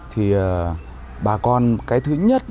thì bà con cái thứ nhất